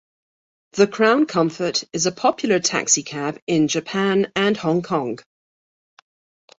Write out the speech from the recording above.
The Crown Comfort is a popular taxicab in Japan and Hong Kong.